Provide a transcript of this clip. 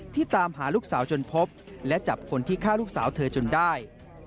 ตามหาลูกสาวจนพบและจับคนที่ฆ่าลูกสาวเธอจนได้